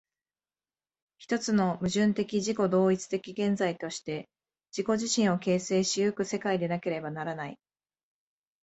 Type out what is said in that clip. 一つの矛盾的自己同一的現在として自己自身を形成し行く世界でなければならない。